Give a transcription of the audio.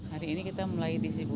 hari ini kita mulai distribusi